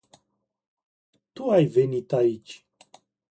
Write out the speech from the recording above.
Tu ai venit aici.